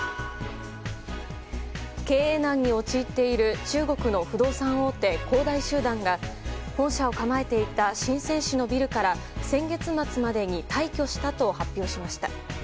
経営難に陥っている中国の不動産大手恒大集団が本社を構えていたシンセン市のビルから先月末までに退去したと発表しました。